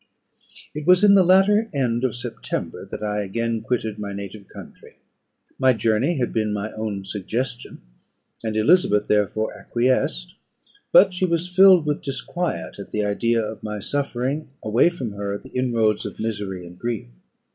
It was in the latter end of September that I again quitted my native country. My journey had been my own suggestion, and Elizabeth, therefore, acquiesced: but she was filled with disquiet at the idea of my suffering, away from her, the inroads of misery and grief.